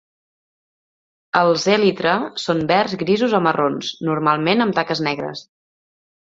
Els elytra són verds, grisos o marrons, normalment amb taques negres.